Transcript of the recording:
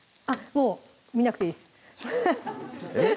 もう見なくていいですえっ？